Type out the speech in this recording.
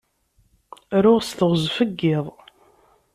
Ruɣ s teɣzef n yiḍ.